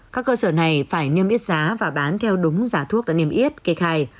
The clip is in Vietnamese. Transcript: các cơ sở này phải niêm yết giá và bán theo đúng giá thuốc đã niêm yết kê khai